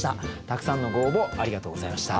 たくさんのご応募ありがとうございました。